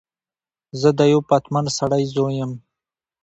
زه د یوه پتمن سړی زوی یم.